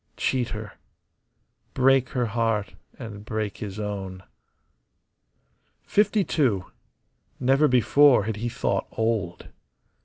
Cheat her. Break her heart and break his own. Fifty two. Never before had he thought old.